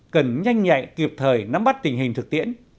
cần nhanh nhạy kịp thời nắm bắt tình hình thực tiễn